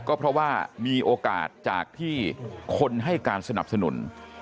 ก็เพราะว่ามีโอกาสจากที่คนให้การสนับสนุน